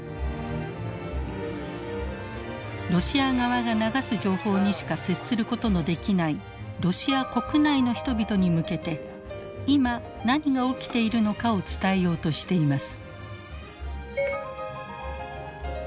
ロシア側が流す情報にしか接することのできないロシア国内の人々に向けて今何が起きているのかを伝えようとしています。